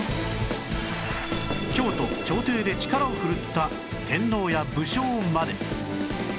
京都朝廷で力を振るった天皇や武将まで